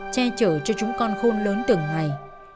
che chở cho chúng con khôn lớn từng ngày